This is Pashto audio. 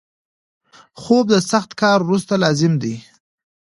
خوب د سخت کار وروسته لازم دی